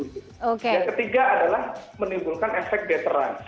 yang ketiga adalah menimbulkan efek better run